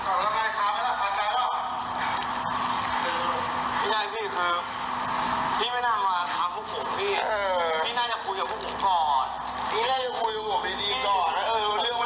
สู้ไปกินไฟเลยครับแล้วไปนะครับ